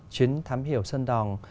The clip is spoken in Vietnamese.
chuyến thám hiểm sơn đòng